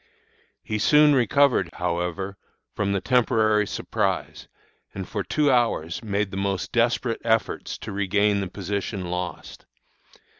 "He soon recovered, however, from the temporary surprise, and for two hours made most desperate efforts to regain the position lost.